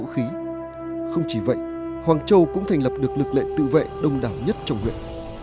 không chỉ vậy hoàng châu cũng thành lập được lực lệ tự vệ đông đảo nhất trong nguyện